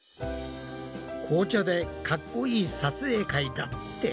紅茶でかっこいい撮影会だって？